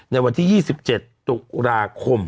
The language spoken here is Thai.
ในวันที่๒๗ตุลาคม